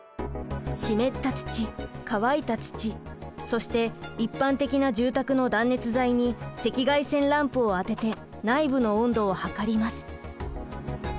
湿った土乾いた土そして一般的な住宅の断熱材に赤外線ランプを当てて内部の温度を測ります。